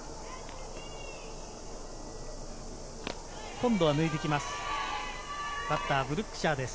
今度は抜いてきます。